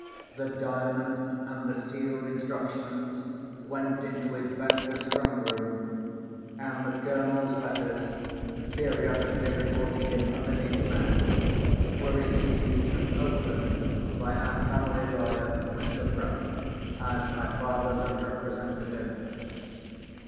The Diamond and the sealed instructions went into his banker's strongroom, and the Colonel's letters, periodically reporting him a living man, were received and opened by our family lawyer, Mr. Bruff, as my father's representative.